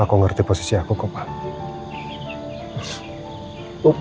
aku ngerti posisi aku kok papa